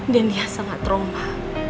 dan dia sangat trauma